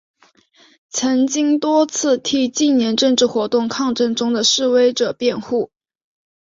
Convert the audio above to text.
曾经多次替近年政治活动抗争中的示威者辩护。